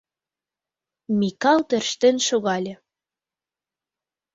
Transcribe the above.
Микал тӧрштен шогале.